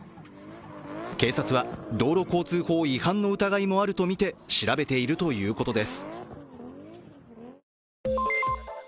警察は道路交通法違反の疑いもあるとみて調べているということです。